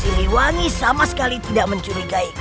siliwangi sama sekali tidak mencurigai